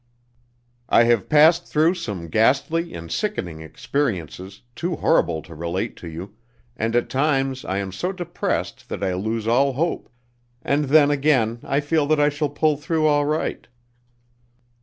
"I have passed through some ghastly and sickening experiences, too horrible to relate to you, and at times I am so depressed that I lose all hope, and then again I feel that I shall pull through all right.